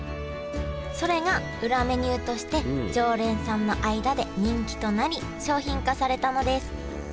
それが裏メニューとして常連さんの間で人気となり商品化されたのですへえ